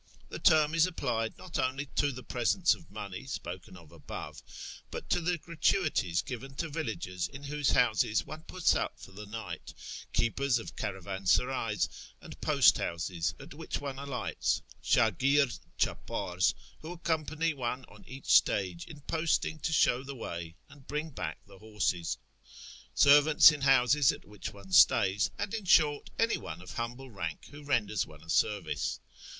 The term is applied not only to the presents of money spoken of above, but to the gratuities given to villagers in whose houses one puts up for the night, keepers of caravansarays and post houses at which one alights, 8Muj%rd cli{i'pars who accompany one on each stage in posting to show the way and bring back the horses, servants in houses at which one stays, and, in short, any one of humble rank who renders one a service.